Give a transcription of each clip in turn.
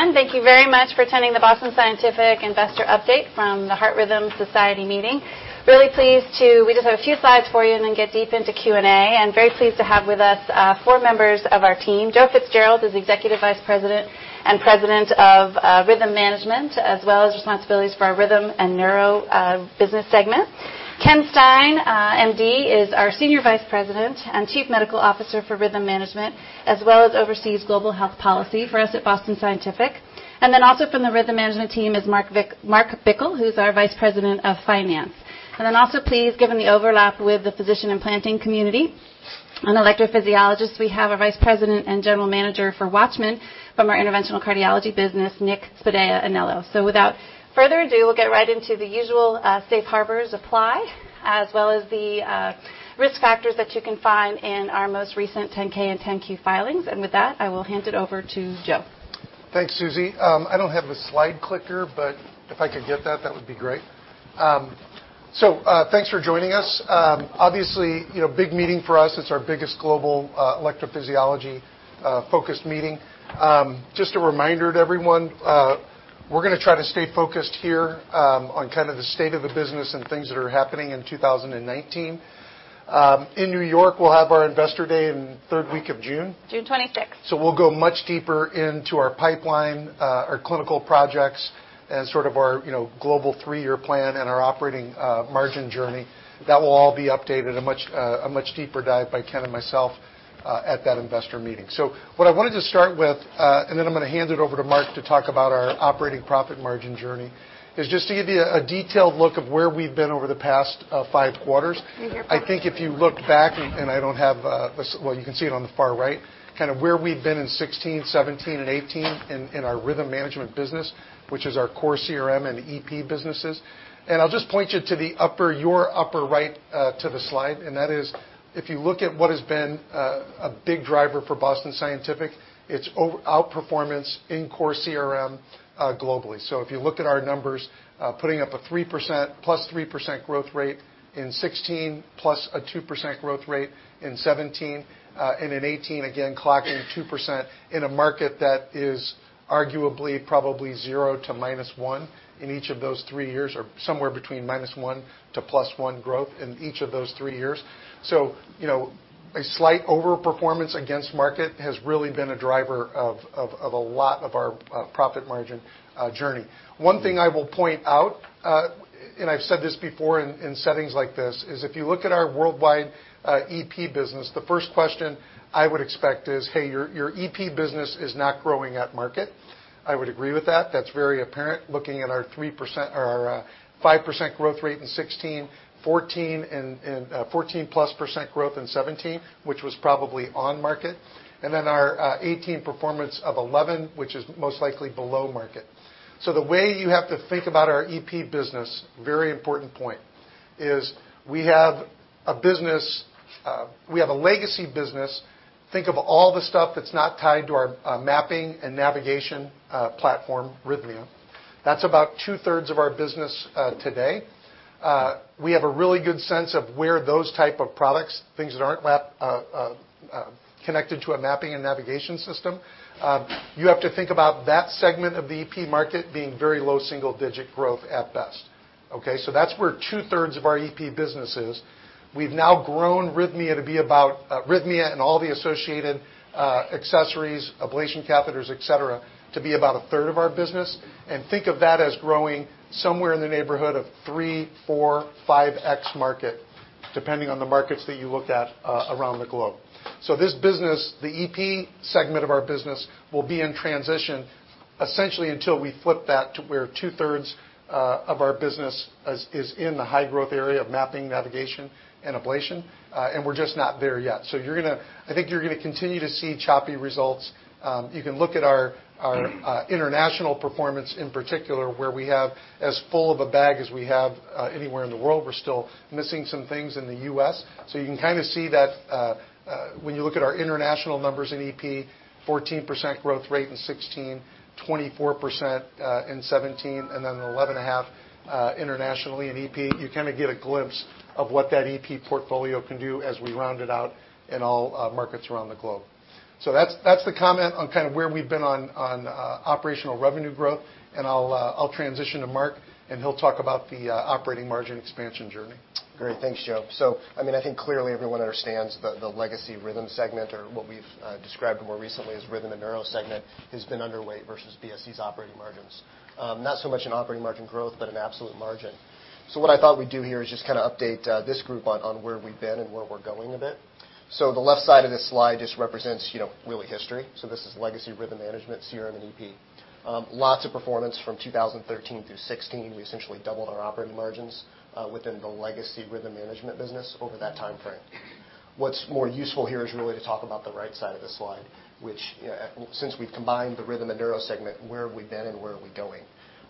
Thank you very much for attending the Boston Scientific Investor update from the Heart Rhythm Society meeting. Really pleased, we just have a few slides for you and then get deep into Q&A. Very pleased to have with us four members of our team. Joe Fitzgerald is Executive Vice President and President of Rhythm Management, as well as responsibilities for our Rhythm and Neuro business segment. Ken Stein, MD, is our Senior Vice President and Chief Medical Officer for Rhythm Management, as well as oversees global health policy for us at Boston Scientific. Then also from the Rhythm Management team is Mark Bickle, who's our Vice President of Finance. Then also please, given the overlap with the physician and planting community and electrophysiologist, we have our Vice President and General Manager for WATCHMAN from our Interventional Cardiology business, Nick Spadafora. Without further ado, we'll get right into the usual safe harbors apply, as well as the risk factors that you can find in our most recent 10-K and 10-Q filings. With that, I will hand it over to Joe. Thanks, Susie. I don't have a slide clicker, but if I could get that would be great. Thanks for joining us. Obviously, big meeting for us. It's our biggest global electrophysiology-focused meeting. Just a reminder to everyone, we're going to try to stay focused here on kind of the state of the business and things that are happening in 2019. In New York, we'll have our Investor Day in the third week of June. June 26th. We'll go much deeper into our pipeline, our clinical projects, and sort of our global three-year plan and our operating margin journey. That will all be updated, a much deeper dive by Ken and myself at that investor meeting. What I wanted to start with, and then I'm going to hand it over to Mark to talk about our operating profit margin journey, is just to give you a detailed look of where we've been over the past five quarters. Need your clicker. I think if you look back, and I don't have a Well, you can see it on the far right, kind of where we've been in 2016, 2017, and 2018 in our rhythm management business, which is our core CRM and EP businesses. I'll just point you to your upper right to the slide, and that is if you look at what has been a big driver for Boston Scientific, it's outperformance in core CRM globally. If you look at our numbers, putting up a +3% growth rate in 2016, +2% growth rate in 2017, and in 2018, again, clocking 2% in a market that is arguably probably zero to minus one in each of those three years, or somewhere between minus one to plus one growth in each of those three years. A slight overperformance against market has really been a driver of a lot of our profit margin journey. One thing I will point out, and I've said this before in settings like this, is if you look at our worldwide EP business, the first question I would expect is, "Hey, your EP business is not growing at market." I would agree with that. That's very apparent looking at our 5% growth rate in 2016, 14%+ growth in 2017, which was probably on market, and then our 2018 performance of 11%, which is most likely below market. The way you have to think about our EP business, very important point, is we have a legacy business. Think of all the stuff that's not tied to our mapping and navigation platform, RHYTHMIA. That's about two-thirds of our business today. We have a really good sense of where those type of products, things that aren't connected to a mapping and navigation system. You have to think about that segment of the EP market being very low single-digit growth at best. Okay? That's where two-thirds of our EP business is. We've now grown RHYTHMIA and all the associated accessories, ablation catheters, et cetera, to be about a third of our business, and think of that as growing somewhere in the neighborhood of 3x, 4x, 5x market, depending on the markets that you looked at around the globe. This business, the EP segment of our business, will be in transition essentially until we flip that to where two-thirds of our business is in the high-growth area of mapping, navigation, and ablation and we're just not there yet. I think you're going to continue to see choppy results. You can look at our international performance in particular, where we have as full of a bag as we have anywhere in the world. We're still missing some things in the U.S. You can kind of see that when you look at our international numbers in EP, 14% growth rate in 2016, 24% in 2017, and then 11.5% internationally in EP. You kind of get a glimpse of what that EP portfolio can do as we round it out in all markets around the globe. That's the comment on kind of where we've been on operational revenue growth, and I'll transition to Mark, and he'll talk about the operating margin expansion journey. Great. Thanks, Joe. I think clearly everyone understands the legacy Rhythm segment or what we've described more recently as Rhythm and Neuro segment has been underweight versus BSC's operating margins. Not so much in operating margin growth, but in absolute margin. What I thought we'd do here is just kind of update this group on where we've been and where we're going a bit. The left side of this slide just represents really history. This is legacy Rhythm Management, CRM, and EP. Lots of performance from 2013 through 2016. We essentially doubled our operating margins within the legacy Rhythm Management business over that timeframe. What's more useful here is really to talk about the right side of this slide, which since we've combined the Rhythm and Neuro segment, where have we been and where are we going?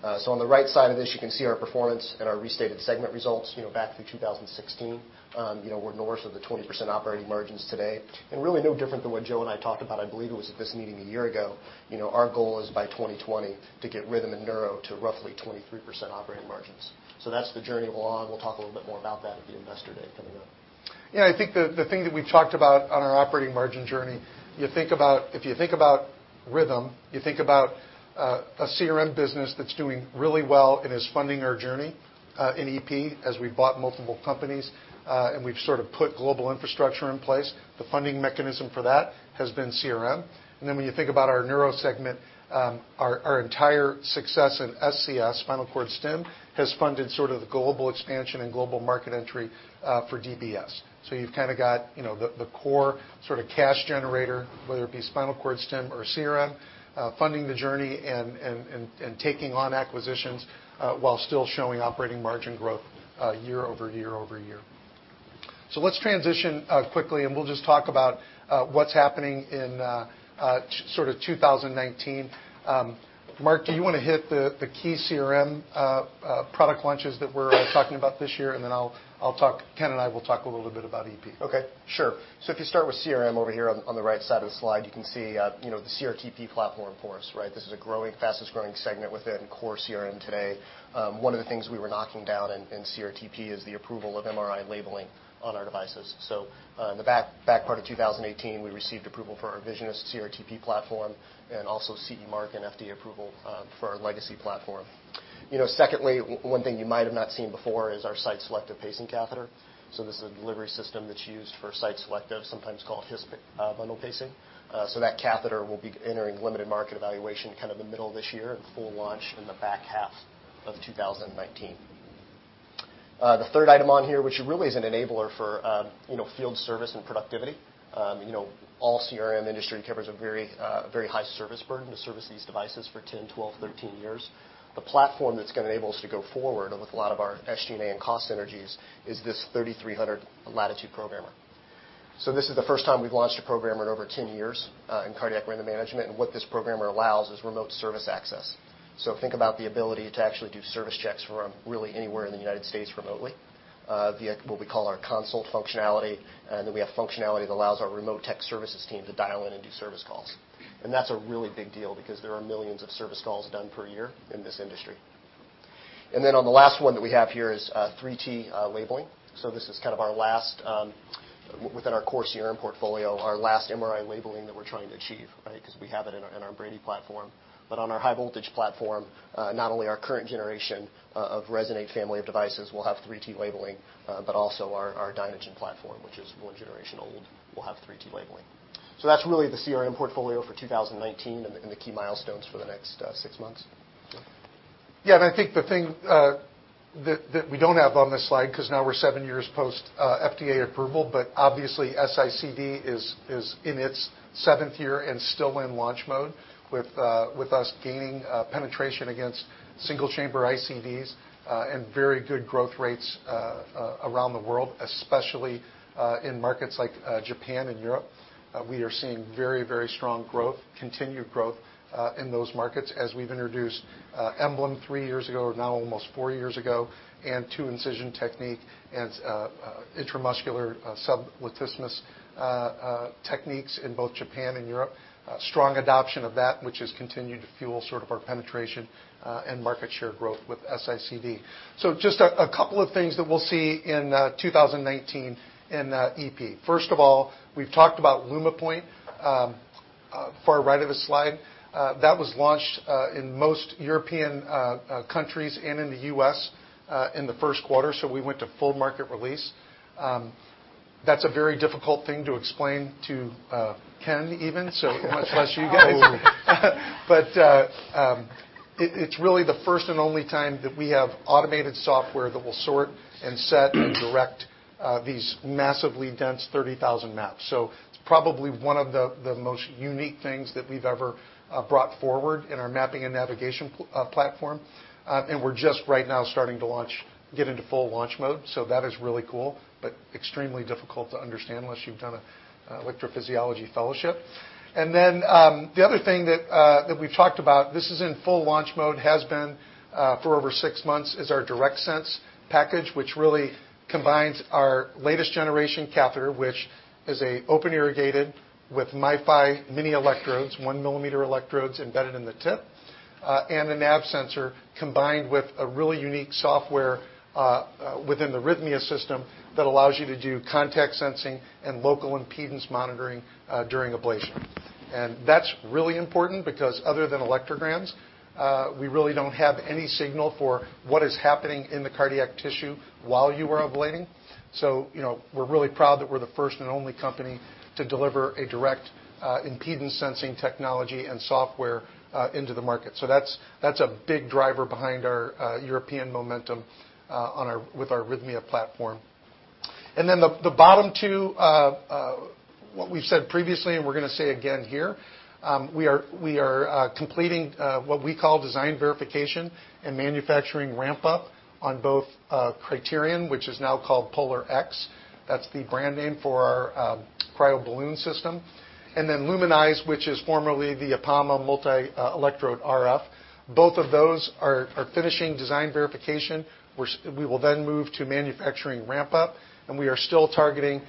On the right side of this, you can see our performance and our restated segment results back through 2016. We're north of the 20% operating margins today. And really no different than what Joe and I talked about, I believe it was at this meeting a year ago. Our goal is by 2020 to get Rhythm and Neuro to roughly 23% operating margins. That's the journey we're on. We'll talk a little bit more about that at the Investor Day coming up. I think the thing that we've talked about on our operating margin journey, if you think about rhythm, you think about a CRM business that's doing really well and is funding our journey, in EP as we've bought multiple companies, and we've sort of put global infrastructure in place. The funding mechanism for that has been CRM. When you think about our neuro segment, our entire success in SCS, spinal cord stim, has funded sort of the global expansion and global market entry for DBS. You've kind of got the core sort of cash generator, whether it be spinal cord stim or CRM, funding the journey and taking on acquisitions while still showing operating margin growth year-over-year over year. Let's transition quickly, and we'll just talk about what's happening in sort of 2019. Mark, do you want to hit the key CRM product launches that we're all talking about this year? Ken and I will talk a little bit about EP. Okay. Sure. If you start with CRM over here on the right side of the slide, you can see the CRTP platform for us. This is the fastest-growing segment within core CRM today. One of the things we were knocking down in CRTP is the approval of MRI labeling on our devices. In the back part of 2018, we received approval for our VISIONIST CRTP platform and also CE mark and FDA approval for our LEGACY platform. Secondly, one thing you might have not seen before is our site selective pacing catheter. This is a delivery system that's used for site selective, sometimes called his bundle pacing. That catheter will be entering limited market evaluation kind of the middle of this year and full launch in the back half of 2019. The third item on here, which really is an enabler for field service and productivity. All CRM industry covers a very high service burden to service these devices for 10, 12, 13 years. The platform that's going to enable us to go forward with a lot of our SG&A and cost synergies is this 3300 LATITUDE programmer. This is the first time we've launched a programmer in over 10 years in Cardiac Rhythm Management, and what this programmer allows is remote service access. Think about the ability to actually do service checks from really anywhere in the U.S. remotely, via what we call our consult functionality, and then we have functionality that allows our remote tech services team to dial in and do service calls. That's a really big deal because there are millions of service calls done per year in this industry. On the last one that we have here is 3T labeling. This is kind of our last, within our core CRM portfolio, our last MRI labeling that we're trying to achieve. Because we have it in our Brady platform. On our high voltage platform, not only our current generation of Resonate family of devices will have 3T labeling, but also our DYNAGEN platform, which is one generation old, will have 3T labeling. That's really the CRM portfolio for 2019 and the key milestones for the next six months. I think the thing that we don't have on this slide, because now we're seven years post-FDA approval, but obviously S-ICD is in its seventh year and still in launch mode with us gaining penetration against single-chamber ICDs and very good growth rates around the world, especially in markets like Japan and Europe. We are seeing very strong growth, continued growth in those markets as we've introduced EMBLEM three years ago, now almost four years ago, and two incision technique and intramuscular sublatissimus techniques in both Japan and Europe. Strong adoption of that, which has continued to fuel sort of our penetration and market share growth with S-ICD. Just a couple of things that we'll see in 2019 in EP. First of all, we've talked about LumaPoint, far right of the slide. That was launched in most European countries and in the U.S. in the first quarter. We went to full market release. That's a very difficult thing to explain to Ken even, so much less you guys. It's really the first and only time that we have automated software that will sort and set and direct these massively dense 30,000 maps. It's probably one of the most unique things that we've ever brought forward in our mapping and navigation platform. We're just right now starting to get into full launch mode. That is really cool, but extremely difficult to understand unless you've done an electrophysiology fellowship. The other thing that we've talked about, this is in full launch mode, has been for over six months, is our DIRECTSENSE package, which really combines our latest generation catheter, which is a open irrigated with MiFi mini electrodes, one-millimeter electrodes embedded in the tip, and a nav sensor combined with a really unique software within the arrhythmia system that allows you to do contact sensing and local impedance monitoring during ablation. That's really important because other than electrograms, we really don't have any signal for what is happening in the cardiac tissue while you are ablating. We're really proud that we're the first and only company to deliver a direct impedance sensing technology and software into the market. That's a big driver behind our European momentum with our arrhythmia platform. The bottom two, what we've said previously, and we're going to say again here, we are completing what we call design verification and manufacturing ramp-up on both Cryterion, which is now called POLARx. That's the brand name for our cryo balloon system. LUMINIZE, which is formerly the Apama multi-electrode RF. Both of those are finishing design verification. We will then move to manufacturing ramp-up, and we are still targeting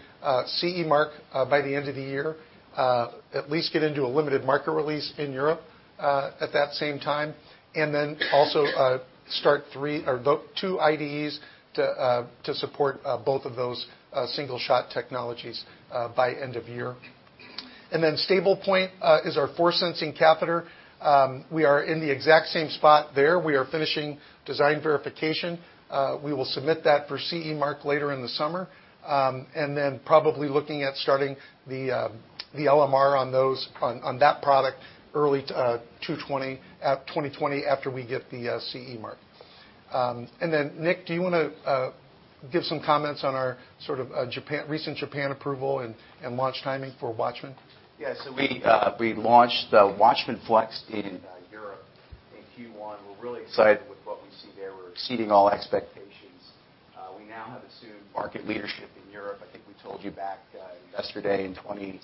CE mark by the end of the year, at least get into a limited market release in Europe at that same time, also start two IDEs to support both of those single-shot technologies by end of year. StablePoint is our force sensing catheter. We are in the exact same spot there. We are finishing design verification. We will submit that for CE mark later in the summer, and then probably looking at starting the LMR on that product early 2020 after we get the CE mark. Nick, do you want to give some comments on our recent Japan approval and launch timing for WATCHMAN? Yes. We launched the WATCHMAN FLX in Europe in Q1. We're really excited with what we see there. We're exceeding all expectations. We now have assumed market leadership in Europe. I think we told you back yesterday in 2017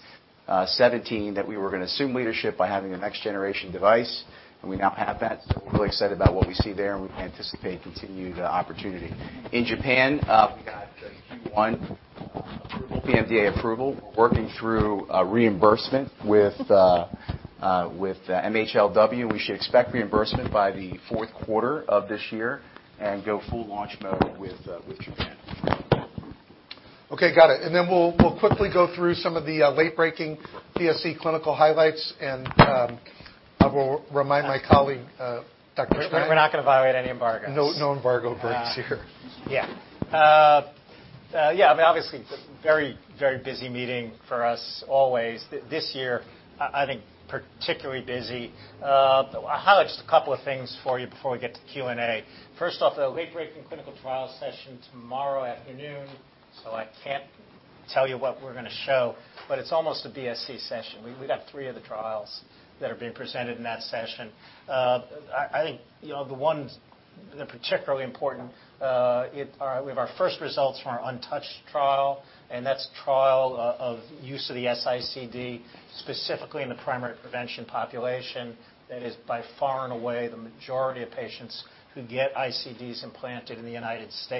that we were going to assume leadership by having a next-generation device, and we now have that. We're really excited about what we see there, and we anticipate continued opportunity. In Japan, we got Q1 PMDA approval. We're working through reimbursement with MHLW. We should expect reimbursement by the fourth quarter of this year and go full launch mode with Japan. Okay, got it. We'll quickly go through some of the late-breaking BSC clinical highlights, and I will remind my colleague, Dr. Stein. We're not going to violate any embargos. No embargo breaks here. Obviously, very busy meeting for us always. This year, I think, particularly busy. I'll highlight just a couple of things for you before we get to Q&A. First off, the late-breaking clinical trial session tomorrow afternoon, I can't tell you what we're going to show, but it's almost a BSC session. We've got three of the trials that are being presented in that session. I think the ones that are particularly important, we have our first results from our UNTOUCHED trial, and that's trial of use of the S-ICD, specifically in the primary prevention population. That is by far and away the majority of patients who get ICDs implanted in the U.S.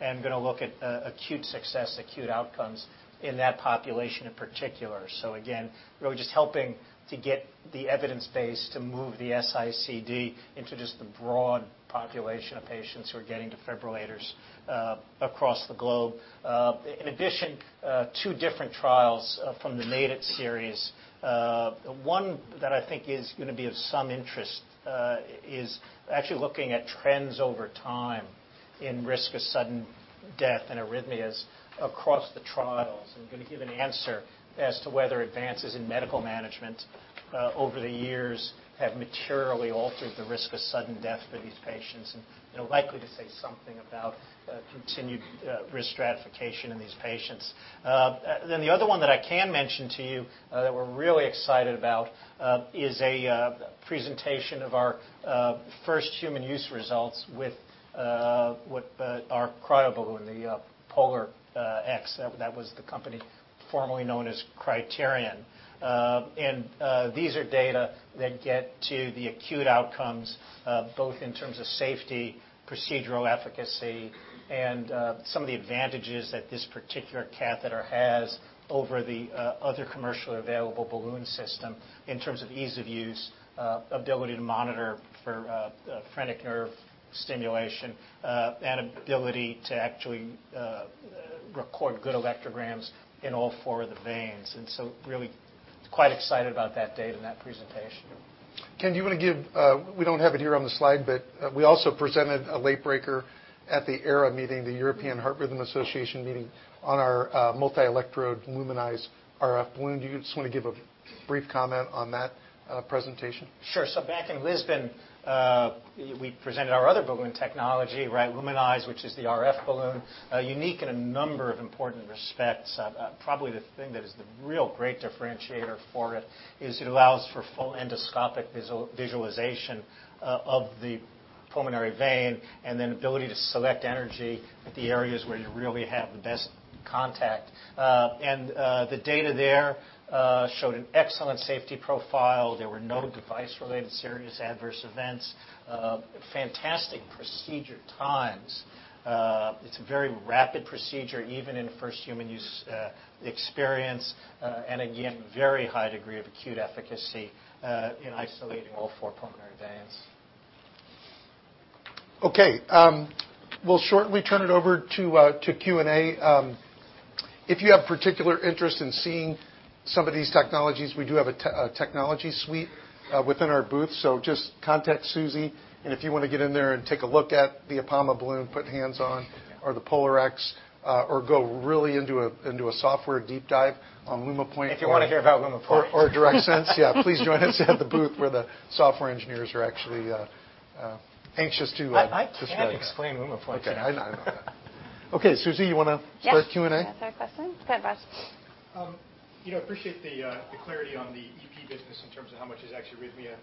and going to look at acute success, acute outcomes in that population in particular. Again, really just helping to get the evidence base to move the S-ICD into just the broad population of patients who are getting defibrillators across the globe. In addition, two different trials from the MADIT series. One that I think is going to be of some interest is actually looking at trends over time in risk of sudden death and arrhythmias across the trials and going to give an answer as to whether advances in medical management over the years have materially altered the risk of sudden death for these patients and likely to say something about continued risk stratification in these patients. The other one that I can mention to you that we're really excited about is a presentation of our first human use results with our cryoballoon, the POLARx. That was the company formerly known as Cryterion. These are data that get to the acute outcomes, both in terms of safety, procedural efficacy, and some of the advantages that this particular catheter has over the other commercially available balloon system in terms of ease of use, ability to monitor for phrenic nerve stimulation, and ability to actually record good electrograms in all four of the veins. Really quite excited about that data and that presentation. Ken, we don't have it here on the slide, we also presented a late-breaker at the EHRA meeting, the European Heart Rhythm Association meeting on our multi-electrode LUMINIZE RF balloon. Do you just want to give a brief comment on that presentation? Sure. Back in Lisbon, we presented our other balloon technology, right? LUMINIZE, which is the RF balloon, unique in a number of important respects. Probably the thing that is the real great differentiator for it is it allows for full endoscopic visualization of the pulmonary vein, then ability to select energy at the areas where you really have the best contact. The data there showed an excellent safety profile. There were no device-related serious adverse events. Fantastic procedure times. It's a very rapid procedure, even in first human use experience. Again, very high degree of acute efficacy in isolating all four pulmonary veins. Okay. We'll shortly turn it over to Q&A. If you have particular interest in seeing some of these technologies, we do have a technology suite within our booth, so just contact Susie. If you want to get in there and take a look at the Apama balloon, put hands on or the POLARx, or go really into a software deep dive on LumaPoint. If you want to hear about LumaPoint. or DIRECTSENSE, yeah. Please join us at the booth where the software engineers are actually anxious. I can't explain LumaPoint. Okay. I know that. Okay, Susie, you want to start Q&A? Yes. Answer questions. Go ahead, Russ. I appreciate the clarity on the EP business in terms of how much is actually Arrhythmia.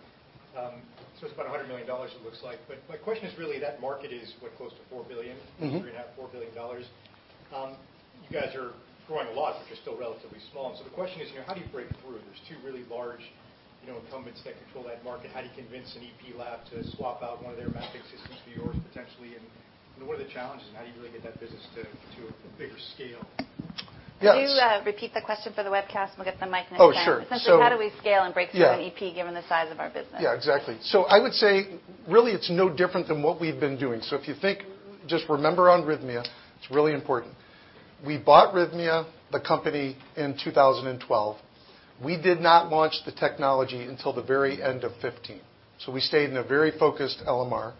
It's about $100 million it looks like. My question is really that market is what? Close to $4 billion. Three and a half, $4 billion. You guys are growing a lot, but you're still relatively small. The question is: how do you break through? There's two really large incumbents that control that market. How do you convince an EP lab to swap out one of their mapping systems for yours, potentially, and what are the challenges? How do you really get that business to a bigger scale? Yes. Could you repeat the question for the webcast, and we'll get the mic next to Ken. Oh, sure. Essentially, how do we scale and break through to EP given the size of our business? Yeah, exactly. I would say really, it's no different than what we've been doing. If you think, just remember on Arrhythmia, it's really important. We bought Rhythmia, the company, in 2012. We did not launch the technology until the very end of 2015, so we stayed in a very focused LMR.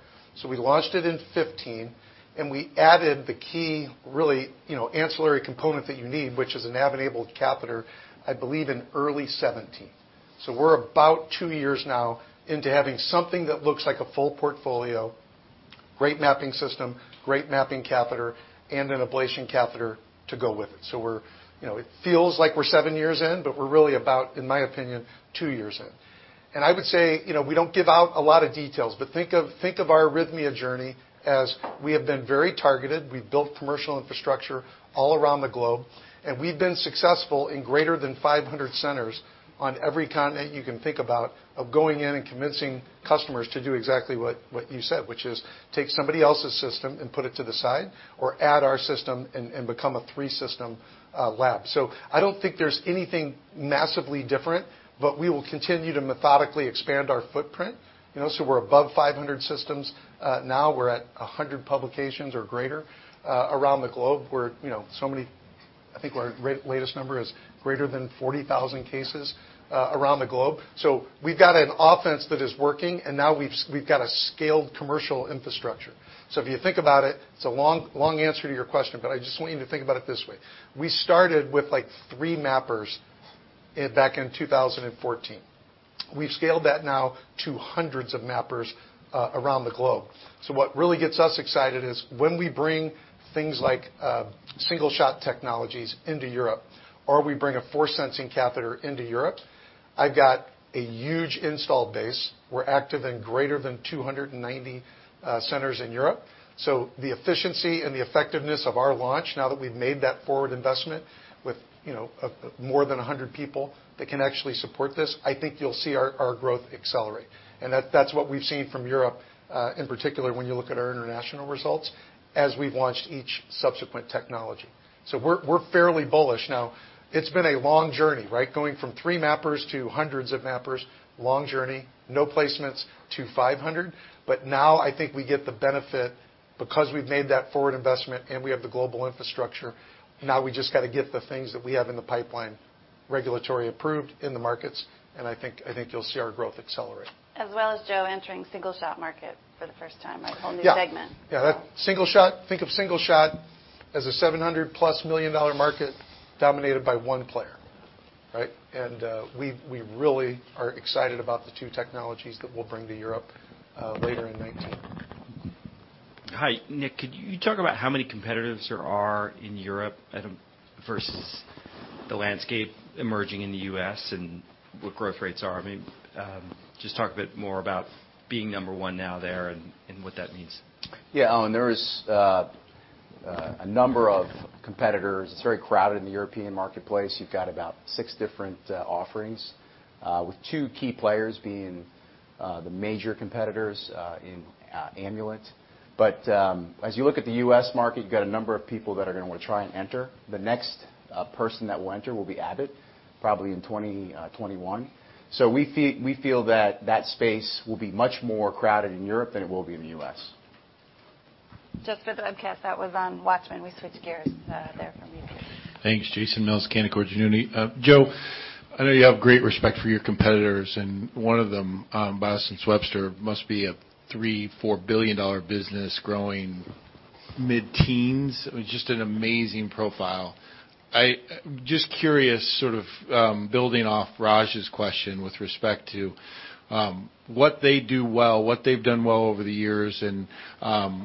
We launched it in 2015, and we added the key, really, ancillary component that you need, which is a NAV-enabled catheter, I believe in early 2017. We're about two years now into having something that looks like a full portfolio, great mapping system, great mapping catheter, and an ablation catheter to go with it. It feels like we're seven years in, but we're really about, in my opinion, two years in. I would say, we don't give out a lot of details, but think of our arrhythmia journey as we have been very targeted. We've built commercial infrastructure all around the globe, we've been successful in greater than 500 centers on every continent you can think about of going in and convincing customers to do exactly what you said, which is take somebody else's system and put it to the side or add our system and become a three-system lab. I don't think there's anything massively different, but we will continue to methodically expand our footprint. We're above 500 systems. Now we're at 100 publications or greater around the globe. I think our latest number is greater than 40,000 cases around the globe. We've got an offense that is working, now we've got a scaled commercial infrastructure. If you think about it's a long answer to your question, but I just want you to think about it this way. We started with three mappers back in 2014. We've scaled that now to hundreds of mappers around the globe. What really gets us excited is when we bring things like single-shot technologies into Europe, or we bring a force-sensing catheter into Europe, I've got a huge install base. We're active in greater than 290 centers in Europe. The efficiency and the effectiveness of our launch, now that we've made that forward investment with more than 100 people that can actually support this, I think you'll see our growth accelerate. That's what we've seen from Europe, in particular, when you look at our international results as we've launched each subsequent technology. We're fairly bullish now. It's been a long journey. Going from three mappers to hundreds of mappers, long journey, no placements to 500. Now I think we get the benefit because we've made that forward investment and we have the global infrastructure. Now we just got to get the things that we have in the pipeline regulatory approved in the markets, and I think you'll see our growth accelerate. As well as, Joe, entering single-shot market for the first time, a whole new segment. Yeah. Think of single shot as a $700-plus million market dominated by one player. We really are excited about the two technologies that we'll bring to Europe later in 2019. Hi, Nick, could you talk about how many competitors there are in Europe versus the landscape emerging in the U.S. and what growth rates are? Just talk a bit more about being number one now there and what that means. Yeah, Jason, there is a number of competitors. It's very crowded in the European marketplace. You've got about six different offerings, with two key players being the major competitors in Amulet. As you look at the U.S. market, you've got a number of people that are going to want to try and enter. The next person that will enter will be Abbott, probably in 2021. We feel that space will be much more crowded in Europe than it will be in the U.S. Just for the webcast that was on WATCHMAN, we switched gears there for a minute. Thanks. Jason Mills, Canaccord Genuity. Joe, I know you have great respect for your competitors, and one of them, Biosense Webster, must be a $3 billion, $4 billion business growing mid-teens with just an amazing profile. Just curious, sort of building off Russ's question with respect to what they do well, what they've done well over the years, and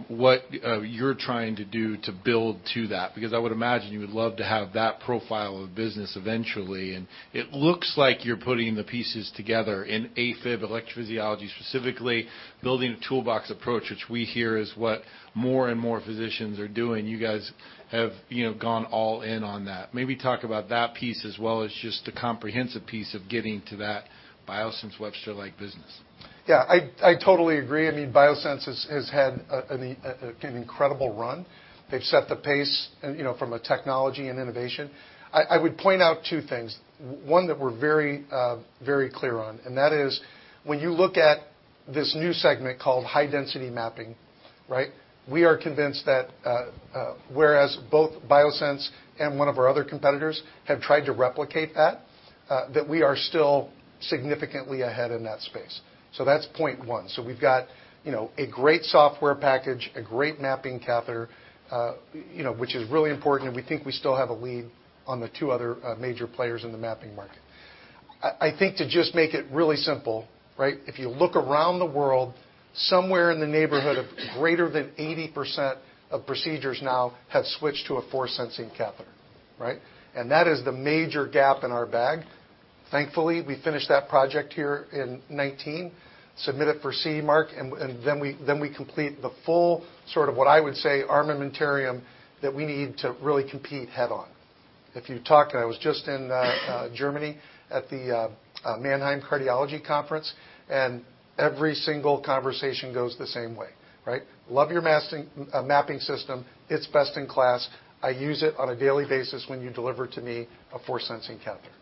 what you're trying to do to build to that. I would imagine you would love to have that profile of business eventually, and it looks like you're putting the pieces together in AFib electrophysiology, specifically building a toolbox approach, which we hear is what more and more physicians are doing. You guys have gone all in on that. Maybe talk about that piece as well as just the comprehensive piece of getting to that Biosense Webster-like business. Yeah, I totally agree. Biosense has had an incredible run. They have set the pace from a technology and innovation. I would point out two things. One that we are very clear on, and that is when you look at this new segment called high-density mapping. We are convinced that whereas both Biosense and one of our other competitors have tried to replicate that we are still significantly ahead in that space. That is point one. So we have got a great software package, a great mapping catheter which is really important, and we think we still have a lead on the two other major players in the mapping market. I think to just make it really simple. If you look around the world, somewhere in the neighborhood of greater than 80% of procedures now have switched to a force sensing catheter. And that is the major gap in our bag. Thankfully, we finished that project here in 2019, submit it for CE marking, and then we complete the full sort of what I would say, armamentarium that we need to really compete head-on. I was just in Germany at the Mannheim Cardiology Conference, and every single conversation goes the same way. "Love your mapping system. It is best in class. I use it on a daily basis when you deliver to me a force sensing catheter."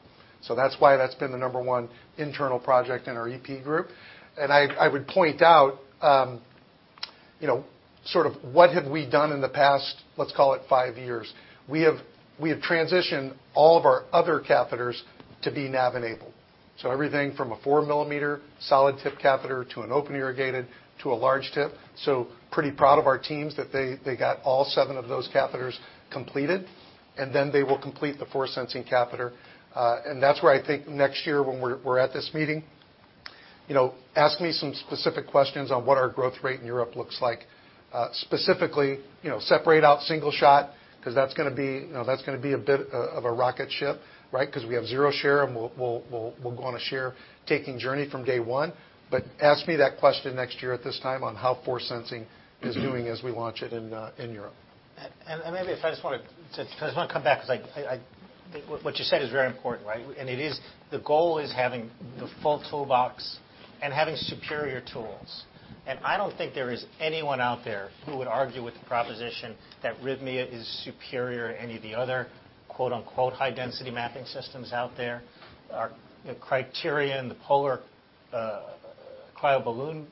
So that is why that has been the number one internal project in our EP group. I would point out what have we done in the past, let's call it five years? We have transitioned all of our other catheters to be NAV-enabled. So everything from a 4-millimeter solid tip catheter to an open irrigated to a large tip. So pretty proud of our teams that they got all seven of those catheters completed, and then they will complete the force sensing catheter. And that is where I think next year when we are at this meeting, ask me some specific questions on what our growth rate in Europe looks like. Specifically, separate out single shot, because that is going to be a bit of a rocket ship. Because we have zero share and we will go on a share taking journey from day one. But ask me that question next year at this time on how force sensing is doing as we launch it in Europe. Maybe if I just want to come back, because what you said is very important. The goal is having the full toolbox and having superior tools. I don't think there is anyone out there who would argue with the proposition that Rhythmia is superior to any of the other "high-density" mapping systems out there. Our Cryterion, the POLARx cryoballoon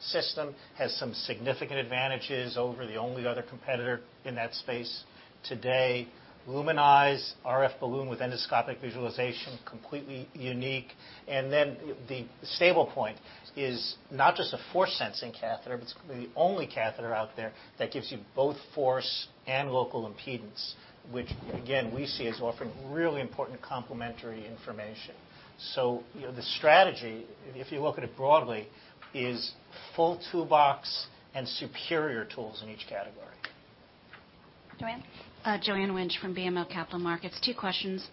system, has some significant advantages over the only other competitor in that space today. LUMINIZE RF balloon with endoscopic visualization, completely unique. And then the StablePoint is not just a force sensing catheter, but it is the only catheter out there that gives you both force and local impedance, which again, we see as offering really important complementary information. So the strategy, if you look at it broadly, is full toolbox and superior tools in each category. Joanne. Joanne Wuensch from BMO Capital Markets. Two questions.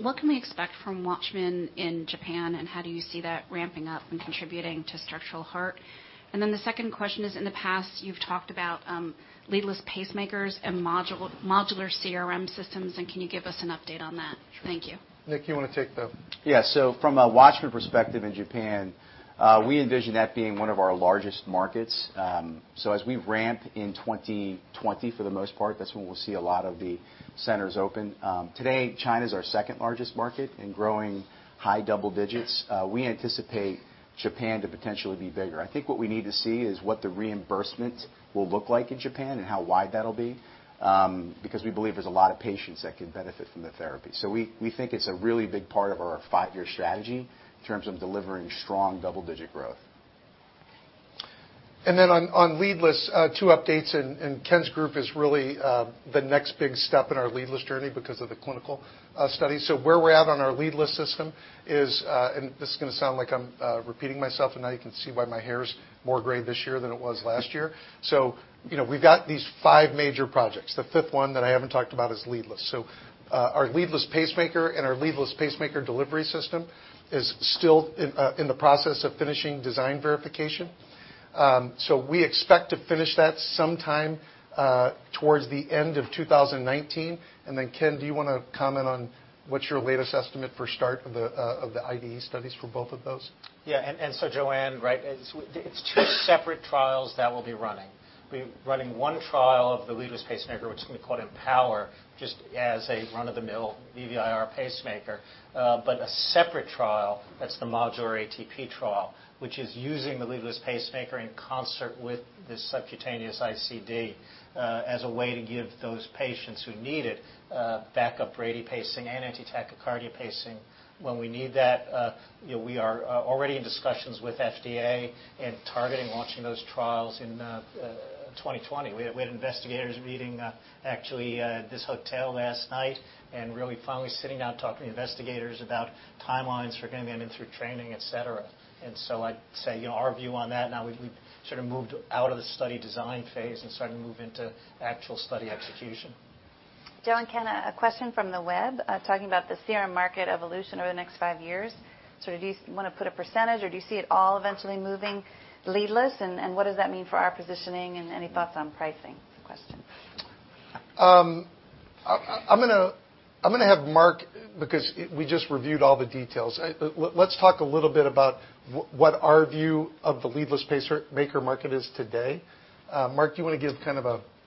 What can we expect from WATCHMAN in Japan, and how do you see that ramping up and contributing to structural heart? The second question is, in the past you've talked about leadless pacemakers and modular CRM systems, can you give us an update on that? Thank you. Nick, you want to take that? Yeah. From a WATCHMAN perspective in Japan, we envision that being one of our largest markets. As we ramp in 2020, for the most part, that's when we'll see a lot of the centers open. Today, China's our second-largest market and growing high double digits. We anticipate Japan to potentially be bigger. I think what we need to see is what the reimbursement will look like in Japan and how wide that'll be, because we believe there's a lot of patients that could benefit from the therapy. We think it's a really big part of our five-year strategy in terms of delivering strong double-digit growth. On leadless, two updates, Ken's group is really the next big step in our leadless journey because of the clinical studies. Where we're at on our leadless system is, and this is going to sound like I'm repeating myself, and now you can see why my hair's more gray this year than it was last year. We've got these five major projects. The fifth one that I haven't talked about is leadless. Our leadless pacemaker and our leadless pacemaker delivery system is still in the process of finishing design verification. We expect to finish that sometime towards the end of 2019. Ken, do you want to comment on what's your latest estimate for start of the IDE studies for both of those? Yeah. Joanne, it's two separate trials that we'll be running. We'll be running one trial of the leadless pacemaker, which is going to be called EMPOWER, just as a run-of-the-mill VVIR pacemaker. A separate trial, that's the MODULAR ATP trial, which is using the leadless pacemaker in concert with this subcutaneous ICD as a way to give those patients who need it backup brady pacing and anti-tachycardia pacing when we need that. We are already in discussions with FDA and targeting launching those trials in 2020. We had investigators meeting actually at this hotel last night and really finally sitting down talking to investigators about timelines for getting them in through training, et cetera. I'd say, our view on that, now we've sort of moved out of the study design phase and starting to move into actual study execution. Joanne, Ken, a question from the web, talking about the CRM market evolution over the next five years. Do you want to put a percentage or do you see it all eventually moving leadless, and what does that mean for our positioning and any thoughts on pricing is the question? I'm going to have Mark, because we just reviewed all the details. Let's talk a little bit about what our view of the leadless pacemaker market is today. Mark, do you want to give?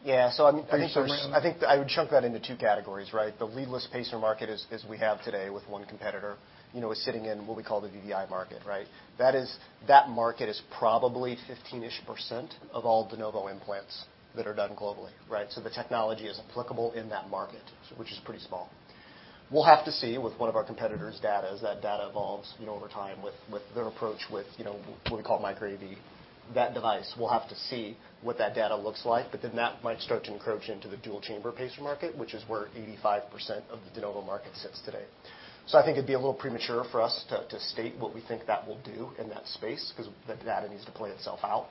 Yeah. I think I would chunk that into 2 categories. The leadless pacer market as we have today with one competitor, is sitting in what we call the VVI market. That market is probably 15-ish% of all de novo implants that are done globally. The technology is applicable in that market, which is pretty small. We'll have to see with one of our competitors' data, as that data evolves over time with their approach with what we call Micra AV, that device. We'll have to see what that data looks like. That might start to encroach into the dual-chamber pacer market, which is where 85% of the de novo market sits today. I think it'd be a little premature for us to state what we think that will do in that space because that data needs to play itself out.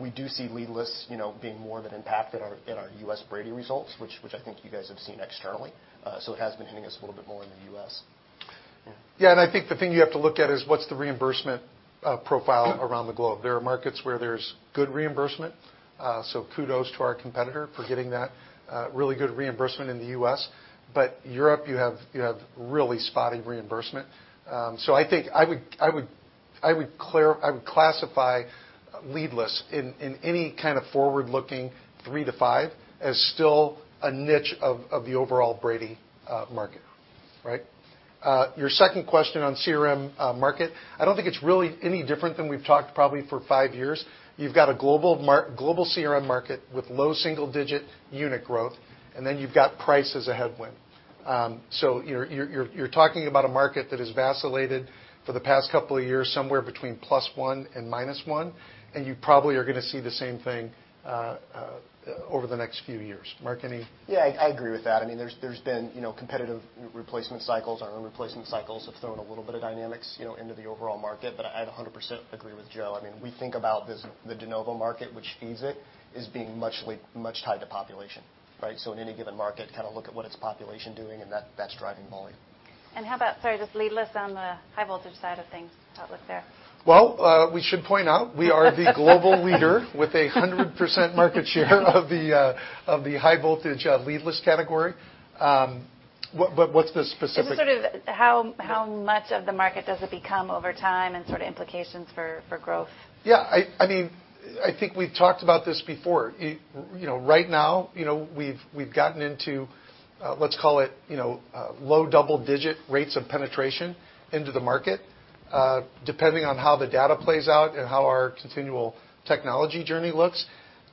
We do see leadless being more of an impact in our U.S. brady results, which I think you guys have seen externally. It has been hitting us a little bit more in the U.S. Yeah, I think the thing you have to look at is what's the reimbursement profile around the globe. There are markets where there's good reimbursement, kudos to our competitor for getting that really good reimbursement in the U.S. Europe, you have really spotty reimbursement. I think I would classify leadless in any kind of forward-looking three to five as still a niche of the overall brady market. Right. Your second question on CRM market, I don't think it's really any different than we've talked probably for five years. You've got a global CRM market with low single-digit unit growth, then you've got price as a headwind. You're talking about a market that has vacillated for the past couple of years, somewhere between +1 and -1, and you probably are going to see the same thing over the next few years. Mark, any? Yeah, I agree with that. There's been competitive replacement cycles. Our own replacement cycles have thrown a little bit of dynamics into the overall market. I'd 100% agree with Joe. We think about the de novo market, which feeds it, as being much tied to population. In any given market, kind of look at what its population doing, and that's driving volume. How about, sorry, just leadless on the high voltage side of things, outlook there? Well, we should point out we are the global leader with 100% market share of the high voltage leadless category. What's the specific. Just sort of how much of the market does it become over time and sort of implications for growth? Yeah. I think we've talked about this before. Right now, we've gotten into, let's call it, low double-digit rates of penetration into the market. Depending on how the data plays out and how our continual technology journey looks,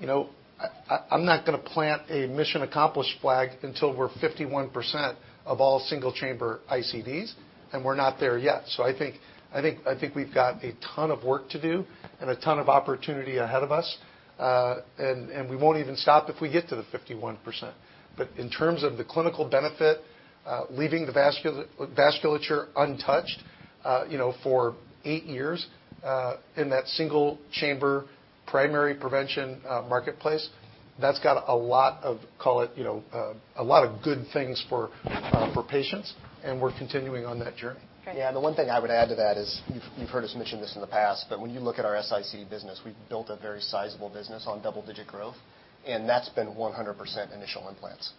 I'm not going to plant a mission accomplished flag until we're 51% of all single-chamber ICDs, and we're not there yet. I think we've got a ton of work to do and a ton of opportunity ahead of us. We won't even stop if we get to the 51%. In terms of the clinical benefit, leaving the vasculature untouched for eight years in that single-chamber primary prevention marketplace, that's got a lot of good things for patients, and we're continuing on that journey. Great. Yeah, the one thing I would add to that is, you've heard us mention this in the past, but when you look at our S-ICD business, we've built a very sizable business on double-digit growth, and that's been 100% initial implants.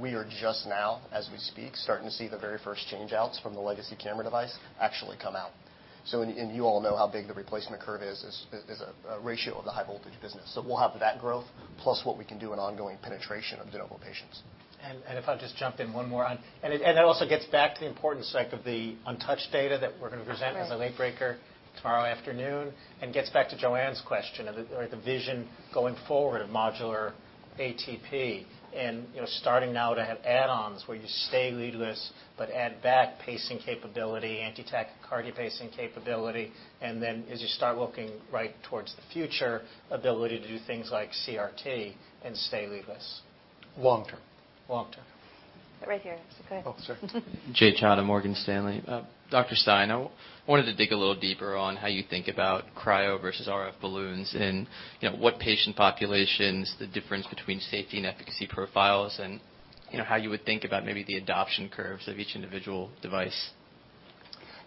We are just now, as we speak, starting to see the very first change-outs from the legacy Cameron device actually come out. You all know how big the replacement curve is as a ratio of the high voltage business. We'll have that growth plus what we can do in ongoing penetration of de novo patients. If I'll just jump in one more on it also gets back to the importance, like of the UNTOUCHED data that we're going to present. as a late breaker tomorrow afternoon. Gets back to Joanne's question of the vision going forward of MODULAR ATP and starting now to have add-ons where you stay leadless but add back pacing capability, anti-tachycardia pacing capability. As you start looking right towards the future, ability to do things like CRT and stay leadless. Long term. Long term. Right here. Go ahead. Oh, sorry. Jay Chadha, Morgan Stanley. Dr. Stein, I wanted to dig a little deeper on how you think about cryo versus RF balloons and what patient populations, the difference between safety and efficacy profiles, and how you would think about maybe the adoption curves of each individual device.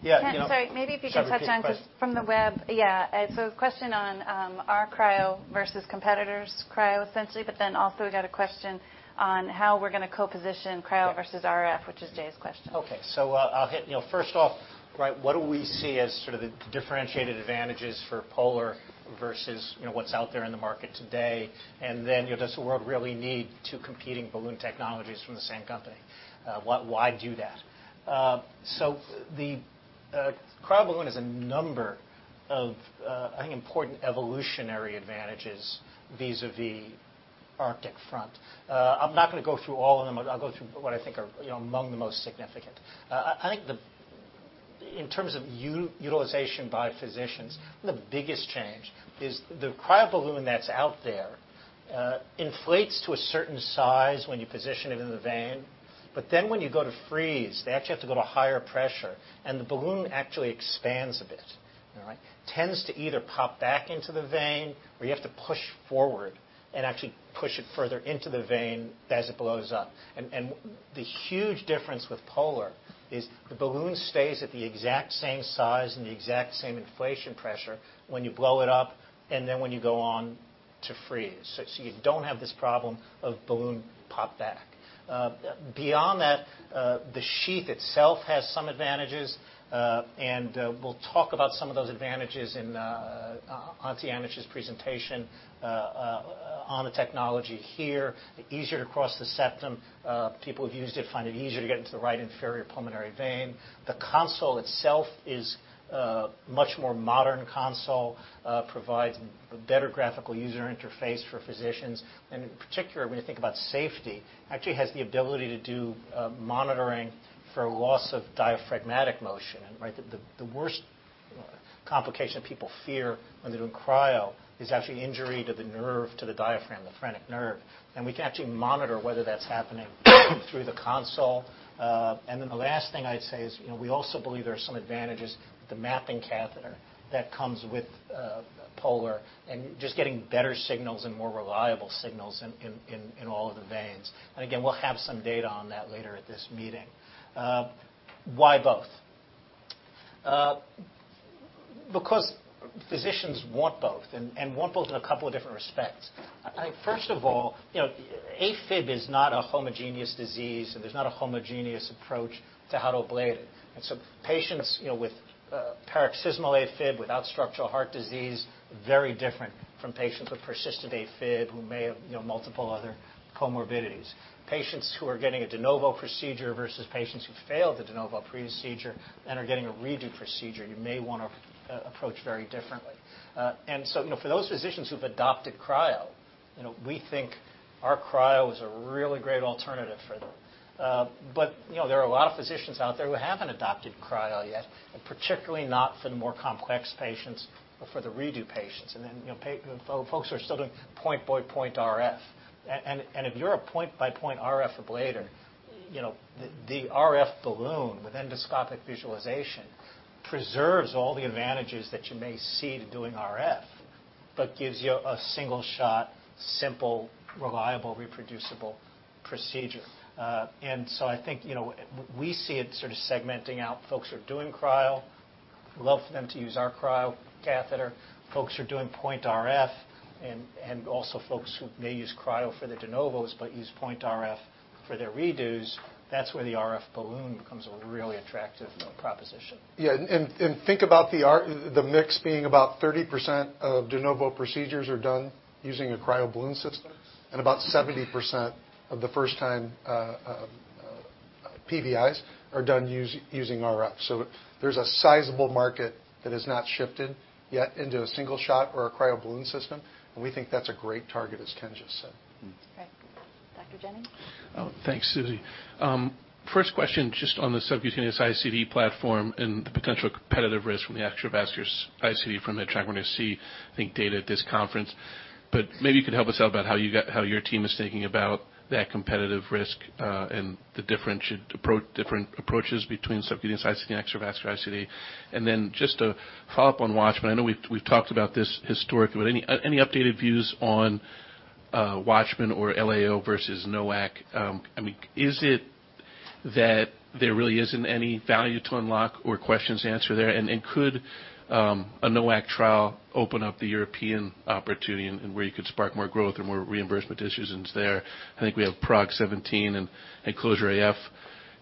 Yeah- Sorry, maybe if you could touch on- Sorry, take the question From the web. Question on our cryo versus competitor's cryo, essentially. We got a question on how we're going to co-position cryo versus RF, which is Jay's question. I'll hit, first off, what do we see as sort of the differentiated advantages for POLARx versus what's out there in the market today? Does the world really need two competing balloon technologies from the same company? Why do that? The cryo balloon has a number of, I think, important evolutionary advantages vis-à-vis Arctic Front. I'm not going to go through all of them. I'll go through what I think are among the most significant. I think in terms of utilization by physicians, the biggest change is the cryo balloon that's out there inflates to a certain size when you position it in the vein. When you go to freeze, they actually have to go to higher pressure, and the balloon actually expands a bit. All right? Tends to either pop back into the vein, or you have to push forward and actually push it further into the vein as it blows up. The huge difference with POLARx is the balloon stays at the exact same size and the exact same inflation pressure when you blow it up and then when you go on to freeze. You don't have this problem of balloon pop back. Beyond that, the sheath itself has some advantages. We'll talk about some of those advantages in Dr. Anuj presentation on the technology here. Easier to cross the septum. People who've used it find it easier to get into the right inferior pulmonary vein. The console itself is a much more modern console, provides a better graphical user interface for physicians. In particular, when you think about safety, actually has the ability to do monitoring for loss of diaphragmatic motion. The worst complication people fear when they're doing cryo is actually injury to the nerve, to the diaphragm, the phrenic nerve. We can actually monitor whether that's happening through the console. The last thing I'd say is, we also believe there are some advantages with the mapping catheter that comes with POLARx and just getting better signals and more reliable signals in all of the veins. Again, we'll have some data on that later at this meeting. Why both? Because physicians want both and want both in a couple of different respects. I think first of all, AFib is not a homogeneous disease, and there's not a homogeneous approach to how to ablate it. Patients with paroxysmal AFib without structural heart disease, very different from patients with persistent AFib who may have multiple. comorbidities. Patients who are getting a de novo procedure versus patients who failed the de novo procedure and are getting a redo procedure, you may want to approach very differently. For those physicians who've adopted cryo, we think our cryo is a really great alternative for them. There are a lot of physicians out there who haven't adopted cryo yet, particularly not for the more complex patients or for the redo patients. Folks who are still doing point-by-point RF. If you're a point-by-point RF ablator, the RF balloon with endoscopic visualization preserves all the advantages that you may cede doing RF, but gives you a single-shot, simple, reliable, reproducible procedure. I think, we see it sort of segmenting out folks who are doing cryo. Love for them to use our cryo catheter. Folks who are doing point RF and also folks who may use cryo for the de novos but use point RF for their redos. That's where the RF balloon becomes a really attractive proposition. Yeah. Think about the mix being about 30% of de novo procedures are done using a cryo balloon system, and about 70% of the first-time, PVIs are done using RF. There's a sizable market that has not shifted yet into a single shot or a cryo balloon system, and we think that's a great target, as Ken just said. Okay. Catherine Jennings? Thanks, Susie. First question just on the subcutaneous ICD platform and the potential competitive risk from the extravascular ICD from Medtronic. We're going to see, I think, data at this conference. Maybe you could help us out about how your team is thinking about that competitive risk, and the different approaches between subcutaneous ICD and extravascular ICD. Then just a follow-up on WATCHMAN. I know we've talked about this historically, but any updated views on WATCHMAN or LAAO versus NOAC? Is it that there really isn't any value to unlock or questions answered there? Could a NOAC trial open up the European opportunity and where you could spark more growth and more reimbursement decisions there? I think we have PRAGUE-17 and CLOSURE-AF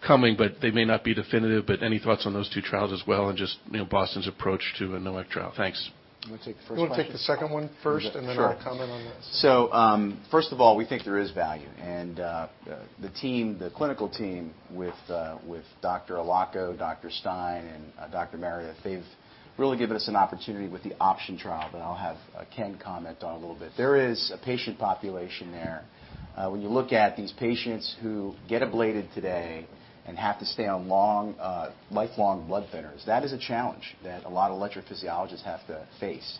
coming, they may not be definitive, but any thoughts on those two trials as well and just, Boston's approach to a NOAC trial. Thanks. You want to take the first question? You want to take the second one first Sure I'll comment on the other. First of all, we think there is value. The clinical team with Dr. Allocco, Dr. Stein, and Dr. Marriott, they've really given us an opportunity with the OPTION trial, that I'll have Ken comment on a little bit. There is a patient population there. When you look at these patients who get ablated today and have to stay on lifelong blood thinners, that is a challenge that a lot of electrophysiologists have to face.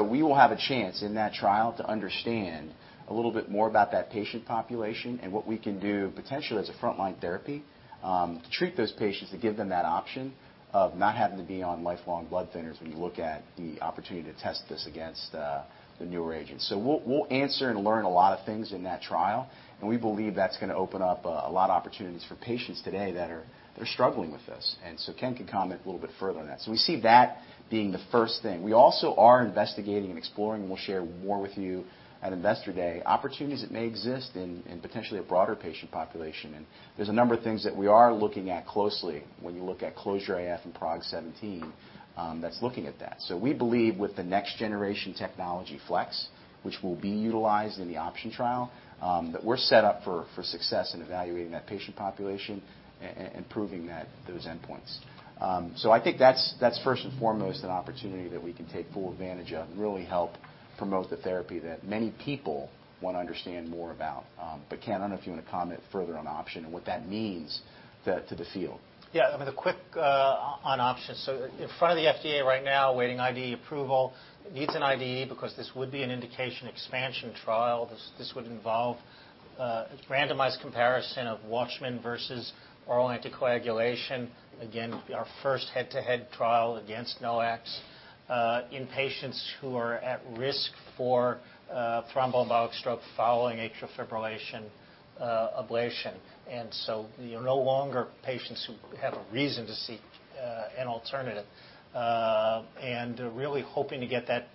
We will have a chance in that trial to understand a little bit more about that patient population and what we can do potentially as a frontline therapy, to treat those patients, to give them that option of not having to be on lifelong blood thinners when you look at the opportunity to test this against the newer agents. We'll answer and learn a lot of things in that trial, and we believe that's going to open up a lot of opportunities for patients today that are struggling with this. Ken can comment a little bit further on that. We see that being the first thing. We also are investigating and exploring, and we'll share more with you at Investor Day, opportunities that may exist in potentially a broader patient population. There's a number of things that we are looking at closely when you look at CLOSURE-AF and PROG 17, that's looking at that. We believe with the next-generation technology FLEX, which will be utilized in the OPTION trial, that we're set up for success in evaluating that patient population and proving those endpoints. I think that's first and foremost an opportunity that we can take full advantage of and really help promote the therapy that many people want to understand more about. Ken, I don't know if you want to comment further on OPTION and what that means to the field. Yeah. I mean, the quick on OPTION. In front of the FDA right now, awaiting IDE approval. Needs an IDE because this would be an indication expansion trial. This would involve a randomized comparison of WATCHMAN versus oral anticoagulation. Again, our first head-to-head trial against NOACs, in patients who are at risk for thromboembolic stroke following atrial fibrillation ablation. No longer patients who have a reason to seek an alternative. Really hoping to get that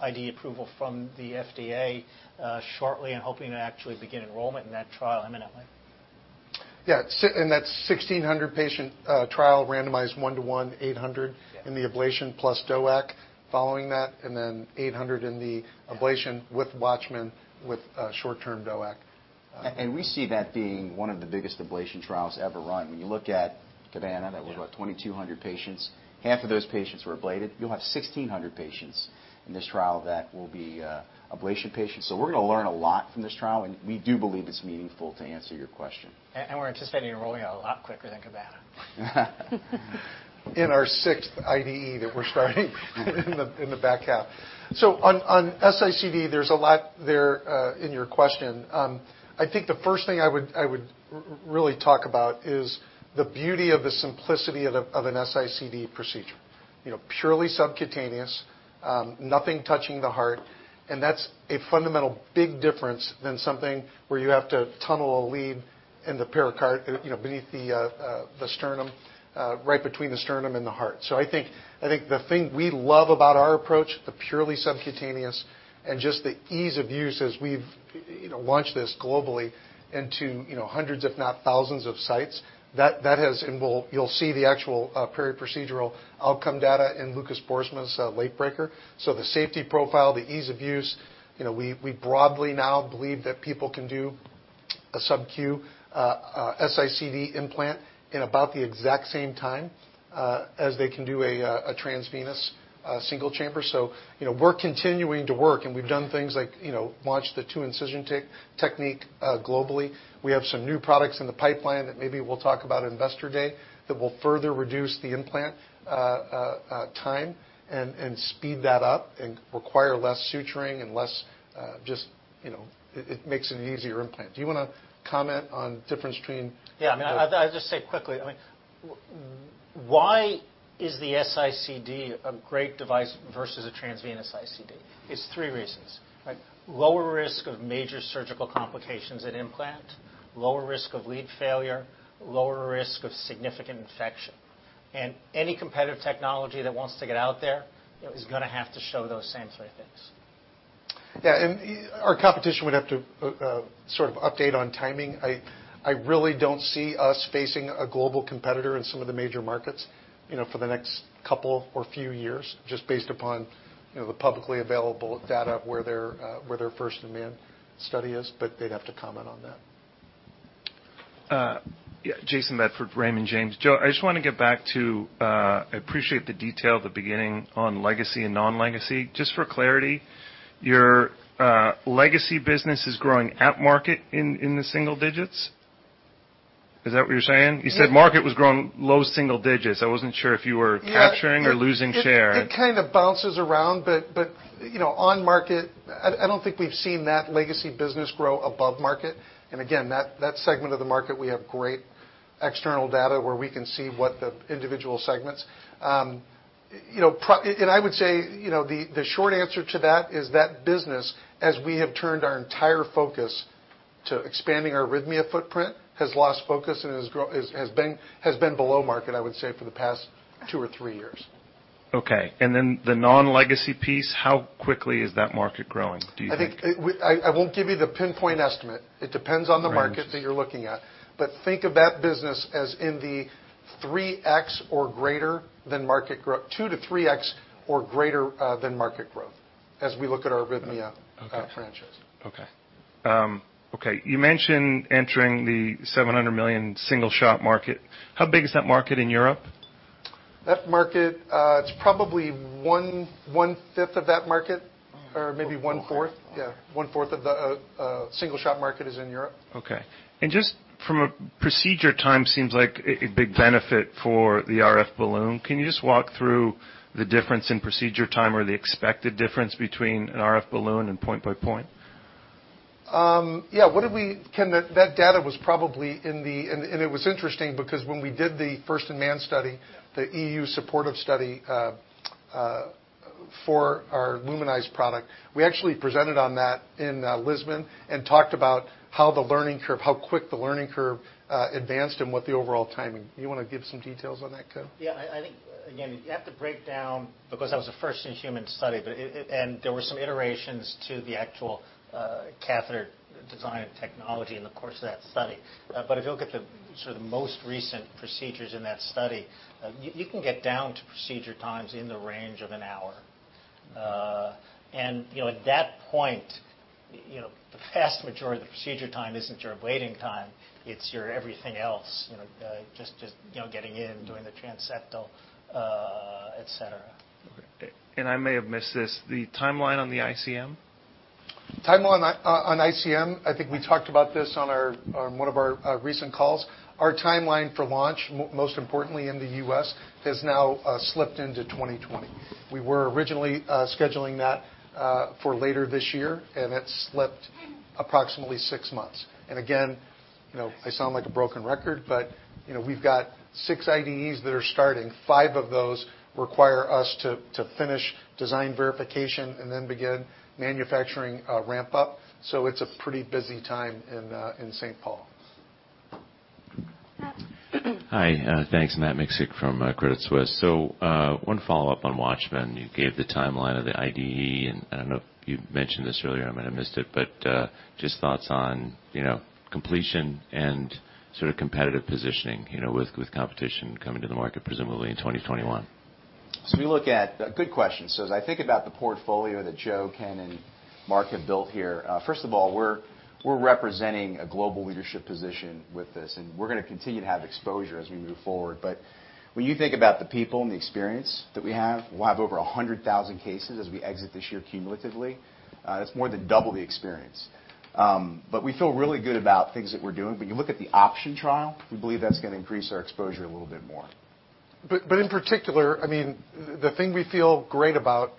IDE approval from the FDA shortly and hoping to actually begin enrollment in that trial imminently. Yeah. That 1,600-patient trial randomized one to one, 800 in the ablation plus DOAC following that, 800 in the ablation with WATCHMAN with short-term DOAC. We see that being one of the biggest ablation trials ever run. When you look at CABANA, that was about 2,200 patients. Half of those patients were ablated. You'll have 1,600 patients in this trial that will be ablation patients. We're going to learn a lot from this trial, we do believe it's meaningful, to answer your question. We're anticipating enrolling a lot quicker than CABANA. In our sixth IDE that we're starting in the back half. On S-ICD, there's a lot there in your question. I think the first thing I would really talk about is the beauty of the simplicity of an S-ICD procedure. Purely subcutaneous. Nothing touching the heart, and that's a fundamental big difference than something where you have to tunnel a lead in the pericardium, beneath the sternum, right between the sternum and the heart. I think the thing we love about our approach, the purely subcutaneous and just the ease of use as we've launched this globally into hundreds if not thousands of sites. And you'll see the actual periprocedural outcome data in Lucas Boersma's late breaker. The safety profile, the ease of use. We broadly now believe that people can do a subQ, S-ICD implant in about the exact same time, as they can do a transvenous single chamber. We're continuing to work, and we've done things like launch the two-incision technique globally. We have some new products in the pipeline that maybe we'll talk about at Investor Day, that will further reduce the implant time and speed that up and require less suturing and less. It makes it an easier implant. Do you want to comment on difference between. Yeah. I'll just say quickly. Why is the S-ICD a great device versus a transvenous ICD? It's three reasons. Lower risk of major surgical complications at implant, lower risk of lead failure, lower risk of significant infection. Any competitive technology that wants to get out there is going to have to show those same three things. Yeah. Our competition would have to sort of update on timing. I really don't see us facing a global competitor in some of the major markets for the next couple or few years, just based upon the publicly available data where their first-in-man study is. They'd have to comment on that. Yeah. Jayson Bedford, Raymond James. Joe, I just want to get back to, I appreciate the detail at the beginning on legacy and non-legacy. Just for clarity, your legacy business is growing at market in the single digits. Is that what you're saying? Yeah. You said market was growing low single digits. I wasn't sure if you were capturing or losing share. It kind of bounces around, on market, I don't think we've seen that legacy business grow above market. Again, that segment of the market, we have great external data where we can see what the individual segments. I would say, the short answer to that is that business, as we have turned our entire focus to expanding our arrhythmia footprint, has lost focus and has been below market, I would say, for the past two or three years. Okay. The non-legacy piece, how quickly is that market growing, do you think? I think I won't give you the pinpoint estimate. It depends on the market- Right that you're looking at. Think of that business as in the 3x or greater than market growth, 2x-3x or greater, than market growth as we look at our arrhythmia franchise. Okay. You mentioned entering the $700 million single-shot market. How big is that market in Europe? That market, it's probably one fifth of that market, or maybe one fourth. Yeah, one fourth of the single-shot market is in Europe. Okay. Just from a procedure time seems like a big benefit for the RF balloon. Can you just walk through the difference in procedure time or the expected difference between an RF balloon and point by point? Yeah. That data was probably in the. It was interesting because when we did the first-in-man study Yeah The EU supportive study for our LUMINIZE product, we actually presented on that in Lisbon and talked about how quick the learning curve advanced and what the overall timing. You want to give some details on that, Ken? Yeah, I think, again, you have to break down because that was a first in human study. There were some iterations to the actual catheter design and technology in the course of that study. If you look at the sort of most recent procedures in that study, you can get down to procedure times in the range of an hour. At that point, the vast majority of the procedure time isn't your waiting time, it's your everything else, just getting in, doing the transseptal, et cetera. Okay. I may have missed this, the timeline on the ICM? Timeline on ICM, I think we talked about this on one of our recent calls. Our timeline for launch, most importantly in the U.S., has now slipped into 2020. We were originally scheduling that for later this year, that slipped approximately six months. Again, I sound like a broken record, but we've got six IDEs that are starting. Five of those require us to finish design verification and then begin manufacturing ramp up. It's a pretty busy time in St. Paul. Matt? Hi, thanks. Matt Miksic from Credit Suisse. One follow-up on WATCHMAN. You gave the timeline of the IDE, I don't know if you mentioned this earlier, I might have missed it, but just thoughts on completion and sort of competitive positioning with competition coming to the market presumably in 2021. Good question. As I think about the portfolio that Joe, Ken, and Mark have built here, first of all, we're representing a global leadership position with this, we're going to continue to have exposure as we move forward. When you think about the people and the experience that we have, we'll have over 100,000 cases as we exit this year cumulatively. That's more than double the experience. We feel really good about things that we're doing. When you look at the OPTION trial, we believe that's going to increase our exposure a little bit more. In particular, the thing we feel great about,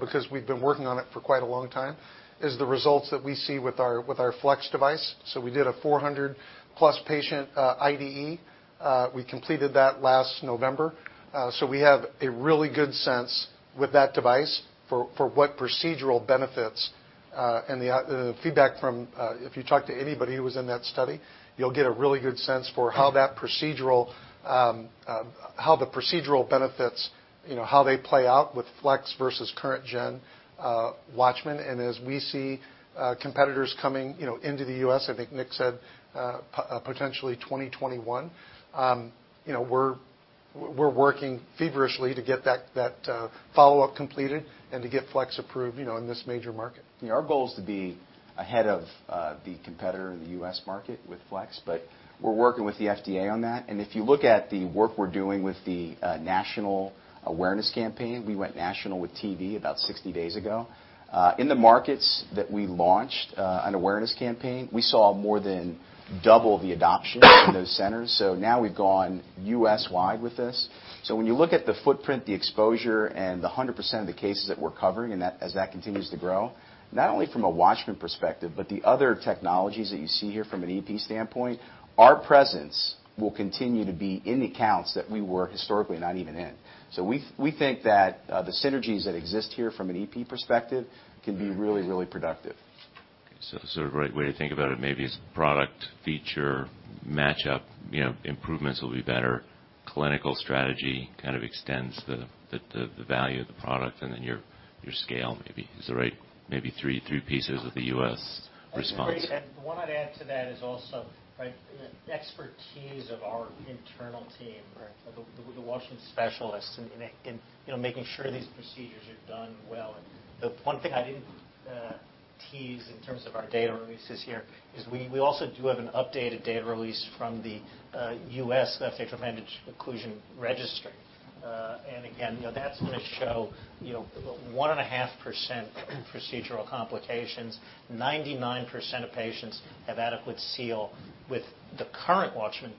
because we've been working on it for quite a long time, is the results that we see with our Flex device. We did a 400-plus patient IDE. We completed that last November. We have a really good sense with that device for what procedural benefits. And the feedback from, if you talk to anybody who was in that study, you'll get a really good sense for how the procedural benefits, how they play out with Flex versus current gen WATCHMAN. As we see competitors coming into the U.S., Nick said potentially 2021, we're working feverishly to get that follow-up completed and to get Flex approved in this major market. Our goal is to be ahead of the competitor in the U.S. market with Flex, but we're working with the FDA on that. If you look at the work we're doing with the national awareness campaign, we went national with TV about 60 days ago. In the markets that we launched an awareness campaign, we saw more than double the adoption in those centers. Now we've gone U.S.-wide with this. When you look at the footprint, the exposure, and the 100% of the cases that we're covering, and as that continues to grow, not only from a WATCHMAN perspective, but the other technologies that you see here from an EP standpoint, our presence will continue to be in accounts that we were historically not even in. We think that the synergies that exist here from an EP perspective can be really, really productive. A great way to think about it maybe is product-feature match-up, improvements will be better. Clinical strategy kind of extends the value of the product, and then your scale, maybe, is the right three pieces of the U.S. response. That's great. What I'd add to that is also the expertise of our internal team, right? The WATCHMAN specialists in making sure these procedures are done well. The one thing I didn't tease in terms of our data releases here is we also do have an updated data release from the U.S. Left Atrial Appendage Occlusion Registry. Again, that's going to show 1.5% procedural complications. 99% of patients have adequate seal with the current WATCHMAN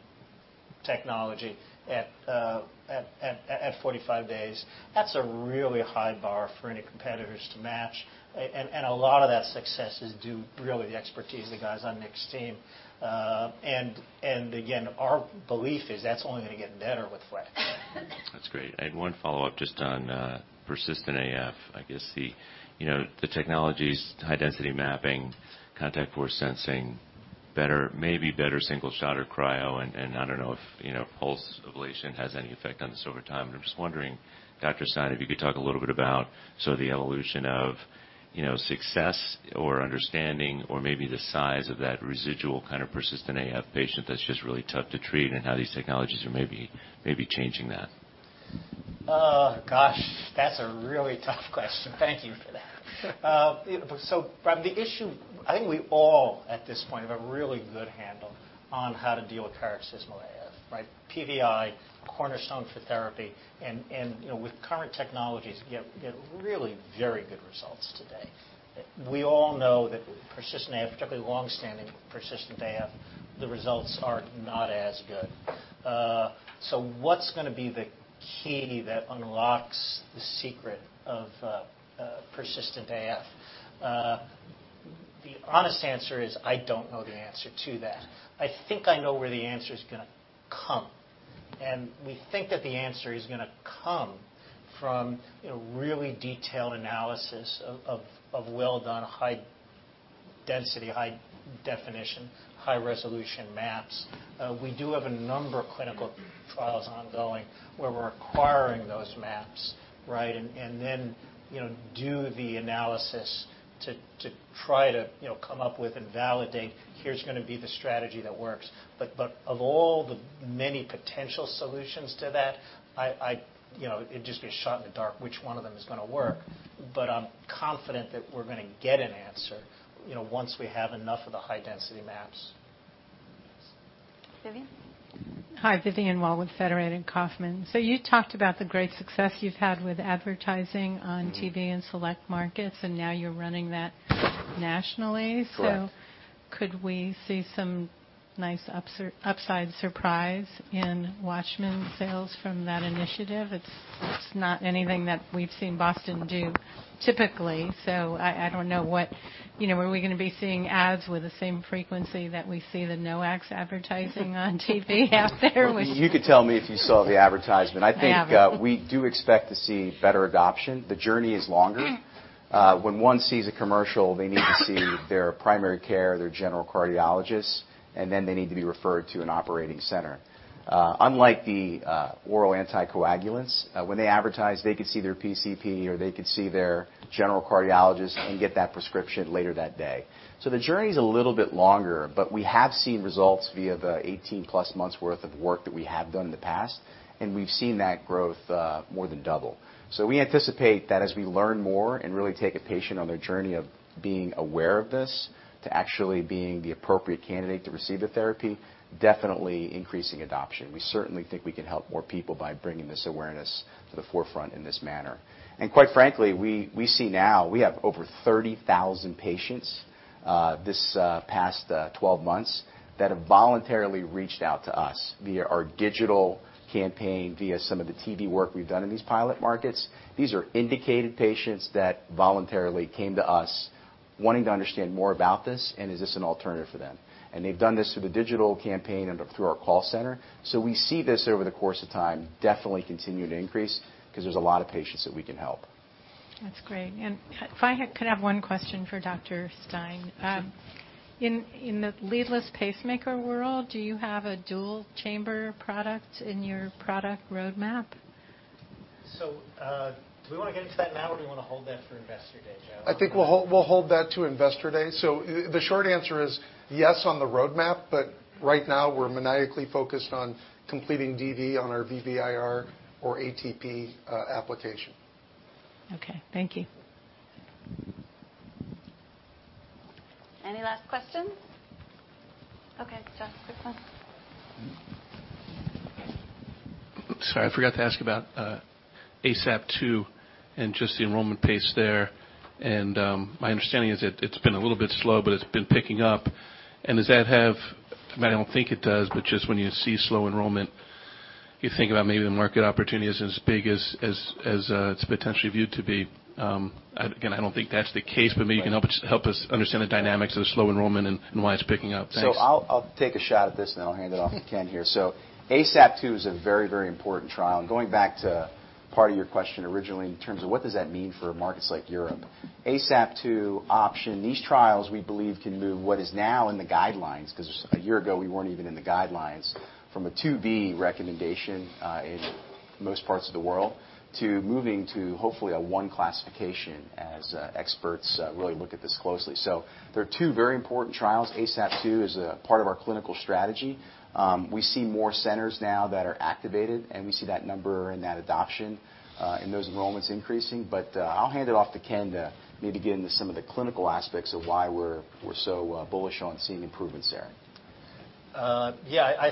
technology at 45 days. That's a really high bar for any competitors to match. A lot of that success is due really to the expertise of the guys on Nick's team. Again, our belief is that's only going to get better with Flex. That's great. I had one follow-up just on persistent AF. I guess the technology's high-density mapping, contact force sensing, maybe better single-shot or cryo. I don't know if pulse ablation has any effect on this over time. I'm just wondering, Dr. Stein, if you could talk a little bit about the evolution of success or understanding or maybe the size of that residual kind of persistent AF patient that's just really tough to treat and how these technologies are maybe changing that. Gosh, that's a really tough question. Thank you for that. The issue, I think we all, at this point, have a really good handle on how to deal with paroxysmal AF, right? PVI, cornerstone for therapy. With current technologies, you have really very good results today. We all know that persistent AF, particularly long-standing persistent AF, the results are not as good. What's going to be the key that unlocks the secret of persistent AF? The honest answer is, I don't know the answer to that. I think I know where the answer's going to come. We think that the answer is going to come from really detailed analysis of well-done, high-density, high-definition, high-resolution maps. We do have a number of clinical trials ongoing where we're acquiring those maps. Do the analysis to try to come up with and validate, here's going to be the strategy that works. Of all the many potential solutions to that, it'd just be a shot in the dark which one of them is going to work. I'm confident that we're going to get an answer once we have enough of the high-density maps. Vivian? Hi, Vivian Wong with Federated Kaufmann. You talked about the great success you've had with advertising on TV in select markets. Now you're running that nationally. Correct. Could we see some nice upside surprise in WATCHMAN sales from that initiative? It's not anything that we've seen Boston do typically. Are we going to be seeing ads with the same frequency that we see the NOACs advertising on TV out there? You could tell me if you saw the advertisement. I haven't. I think we do expect to see better adoption. The journey is longer. When one sees a commercial, they need to see their primary care, their general cardiologist, and then they need to be referred to an operating center. Unlike the oral anticoagulants, when they advertise, they could see their PCP, or they could see their general cardiologist and get that prescription later that day. The journey's a little bit longer, but we have seen results via the 18-plus months' worth of work that we have done in the past, and we've seen that growth more than double. We anticipate that as we learn more and really take a patient on their journey of being aware of this to actually being the appropriate candidate to receive the therapy, definitely increasing adoption. We certainly think we can help more people by bringing this awareness to the forefront in this manner. Quite frankly, we see now, we have over 30,000 patients this past 12 months that have voluntarily reached out to us via our digital campaign, via some of the TV work we've done in these pilot markets. These are indicated patients that voluntarily came to us wanting to understand more about this and is this an alternative for them. They've done this through the digital campaign and through our call center. We see this over the course of time definitely continuing to increase because there's a lot of patients that we can help. That's great. If I could have one question for Dr. Stein. Sure. In the leadless pacemaker world, do you have a dual-chamber product in your product roadmap? Do we want to get into that now, or do we want to hold that for Investor Day, Joe? I think we'll hold that to Investor Day. The short answer is yes on the roadmap, but right now we're maniacally focused on completing DD on our VVIR or ATP application. Okay. Thank you. Any last questions? Okay. Jeff, this one. Sorry, I forgot to ask about ASAP-TOO and just the enrollment pace there. My understanding is that it's been a little bit slow, but it's been picking up. Does that have, I mean, I don't think it does, but just when you see slow enrollment, you think about maybe the market opportunity isn't as big as it's potentially viewed to be. Again, I don't think that's the case, but maybe you can help us understand the dynamics of the slow enrollment and why it's picking up. Thanks. I'll take a shot at this, then I'll hand it off to Ken here. ASAP-TOO is a very important trial. Going back to part of your question originally, in terms of what does that mean for markets like Europe. ASAP-TOO OPTION, these trials, we believe can move what is now in the guidelines, because a year ago we weren't even in the guidelines, from a 2B recommendation, in most parts of the world, to moving to hopefully a 1 classification as experts really look at this closely. They're two very important trials. ASAP-TOO is a part of our clinical strategy. We see more centers now that are activated, and we see that number and that adoption, and those enrollments increasing. I'll hand it off to Ken to maybe get into some of the clinical aspects of why we're so bullish on seeing improvements there. I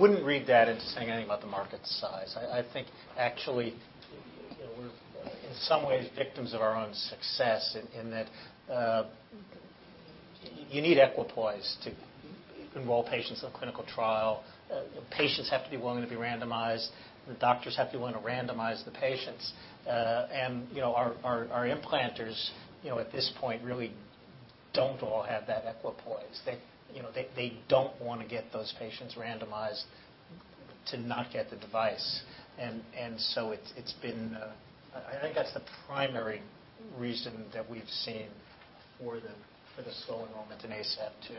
wouldn't read that into saying anything about the market size. I think actually, we're in some ways victims of our own success in that you need equipoise to enroll patients in a clinical trial. Patients have to be willing to be randomized. The doctors have to be willing to randomize the patients. Our implanters, at this point really don't all have that equipoise. They don't want to get those patients randomized to not get the device. I think that's the primary reason that we've seen for the slow enrollment in ASAP-TOO.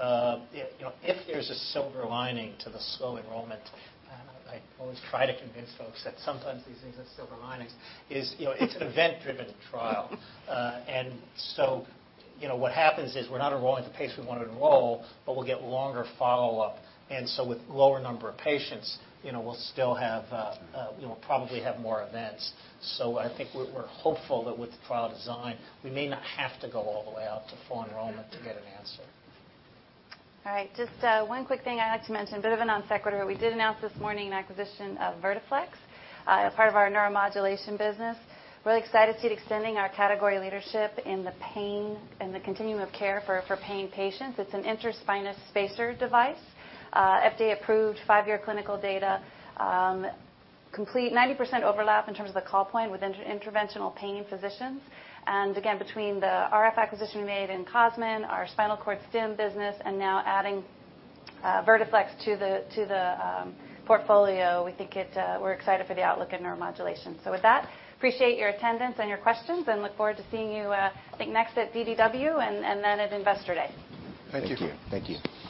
If there's a silver lining to the slow enrollment, I always try to convince folks that sometimes these things have silver linings, is it's an event-driven trial. What happens is we're not enrolling the pace we want to enroll, but we'll get longer follow-up. With lower number of patients, we'll probably have more events. I think we're hopeful that with the trial design, we may not have to go all the way out to full enrollment to get an answer. All right. Just one quick thing I'd like to mention, a bit of a non-sequitur. We did announce this morning an acquisition of Vertiflex, part of our neuromodulation business. Really excited to see it extending our category leadership in the pain and the continuum of care for pain patients. It's an intraspinal spacer device, FDA-approved, five-year clinical data, complete 90% overlap in terms of the call point with interventional pain physicians. Again, between the RF acquisition we made and Cosman, our spinal cord stim business, and now adding Vertiflex to the portfolio, we're excited for the outlook in neuromodulation. With that, appreciate your attendance and your questions, and look forward to seeing you, I think, next at Digestive Disease Week and then at Investor Day. Thank you. Thank you.